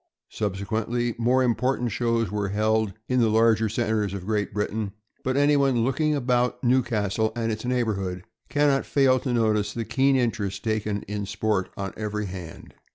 Subsequently, more important shows were held in the larger centers of Great Britain; but anyone looking about Newcastle and its neighborhood can not fail to notice the keen interest taken in sport on every hand.